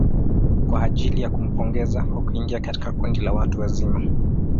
Kwa ajili ya kumpongeza kwa kuingia katika kundi la watu wazima